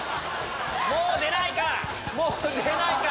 もう出ないか？